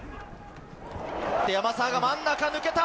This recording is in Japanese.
山沢が真ん中抜けた。